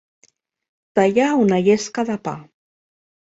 Tallar una llesca de pa.